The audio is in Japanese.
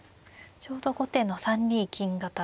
ちょうど後手の３二金型が。